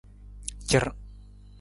Car.